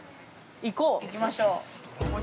◆行きましょう。